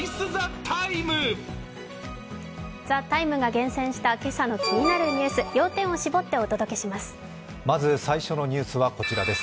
「ＴＨＥＴＩＭＥ，」が厳選した今朝の気になるニュース要点を絞ってお届けします。